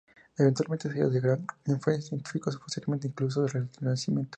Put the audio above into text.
Eventualmente sería de gran influencia en científicos posteriores, incluso del renacimiento.